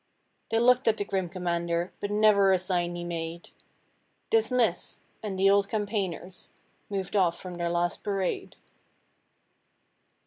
..... They looked at the grim commander, But never a sign he made. 'Dismiss!' and the old campaigners Moved off from their last parade.